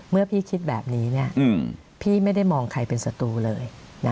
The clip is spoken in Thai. เมื่อพี่คิดแบบนี้พี่ไม่ได้มองใครเป็นศัตรูเลย